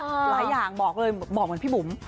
หลายอย่างบอกเลยบอกเหมือนพี่บุ๋ม